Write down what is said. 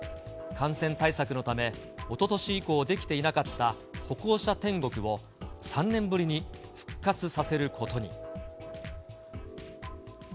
感染対策のため、おととし以降できていなかった、歩行者天国を、３年ぶりに復活させることに。